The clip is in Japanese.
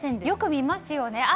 よく見ますよね。